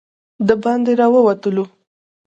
د باندې راووتلو.